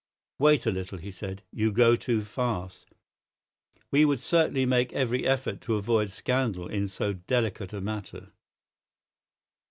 "Wait a little," he said. "You go too fast. We would certainly make every effort to avoid scandal in so delicate a matter."